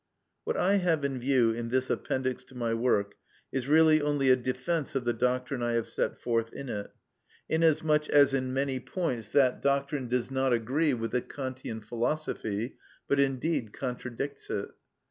What I have in view in this Appendix to my work is really only a defence of the doctrine I have set forth in it, inasmuch as in many points that doctrine does not agree with the Kantian philosophy, but indeed contradicts it.